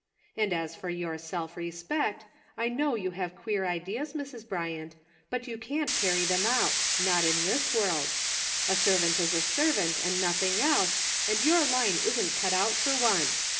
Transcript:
And as for your self respect, 1 know you have queer ideas, Mrs. Bryant, but you can't carry them out — not in this world ; a servant is a ser vant, and nothing else, and your Line isn't cut out for one.